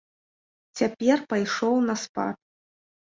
Цяпер пайшоў на спад.